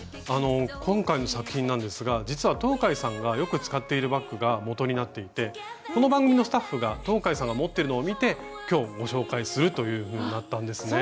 今回の作品なんですが実は東海さんがよく使っているバッグがもとになっていてこの番組のスタッフが東海さんが持っているのを見て今日ご紹介するというふうになったんですね。